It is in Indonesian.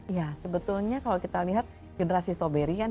ya sebetulnya kalau kita lihat generasi stroberi kan